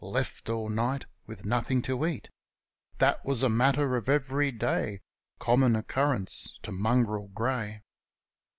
Left all night with nothing to eat. That was a matter of everyday Normal occurrence with Mongrel Grey.